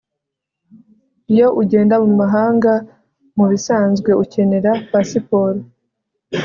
Iyo ugenda mumahanga mubisanzwe ukenera pasiporo